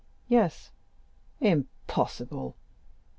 "Yes." "Impossible!"